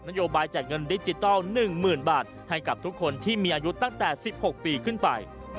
เท่า๑หมื่นบาทให้ทุกคนที่มีอายุตั้งแต่๑๖ปีขึ้นไป